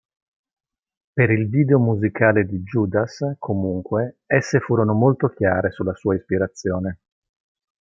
Per il video musicale di "Judas", comunque, esse furono molto chiare sulla sua ispirazione.